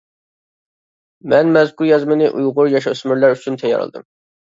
مەن مەزكۇر يازمىنى ئۇيغۇر ياش-ئۆسمۈرلەر ئۈچۈن تەييارلىدىم.